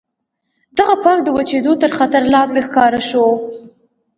دغه پارک د وچېدو تر خطر لاندې ښکاره شو.